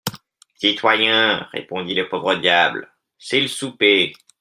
Citoyen, répondit le pauvre diable, c'est le souper.